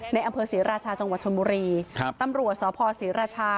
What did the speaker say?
ในอำเภอศรีราชาจังหวัดชนบุรีครับตำรวจสพศรีราชา